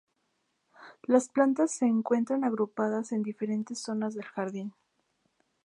Las plantas se encuentran agrupadas en diferentes zonas del jardín.